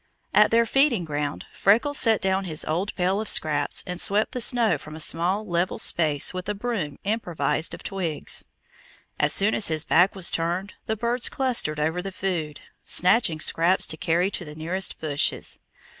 At their feeding ground Freckles set down his old pail of scraps and swept the snow from a small level space with a broom improvised of twigs. As soon as his back was turned, the birds clustered over the food, snatching scraps to carry to the nearest bushes.